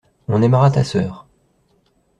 On aimera ta sœur.